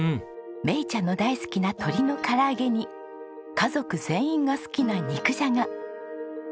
芽以ちゃんの大好きな鶏の唐揚げに家族全員が好きな肉じゃが。